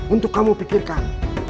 untuk kamu pikirkan